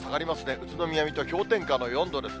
宇都宮、水戸、氷点下の４度ですね。